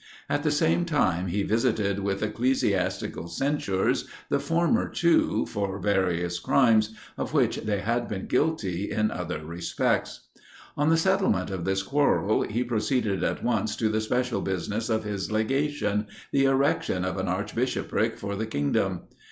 At the same time, he visited with ecclesiastical censures the former two, for various crimes, of which they had been guilty in other respects. On the settlement of this quarrel, he proceeded at once to the special business of his legation, the erection of an archbishopric for the kingdom.